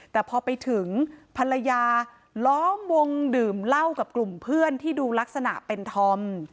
แต่พอไปถึงภรรยาล้อมวงดื่มเหล้ากับกลุ่มเพื่อนที่ดูลักษณะเป็นธอม